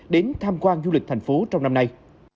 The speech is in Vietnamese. đến tham quan du lịch thành phố trong năm nay